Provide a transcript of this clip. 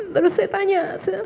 terus saya tanya